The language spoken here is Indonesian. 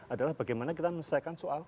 adalah bagaimana kita menyelesaikan soal